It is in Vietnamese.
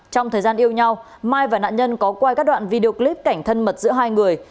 trong thời gian yêu nhau mai và nạn nhân có quay các đoạn video clip cảnh thân mật giữa hai người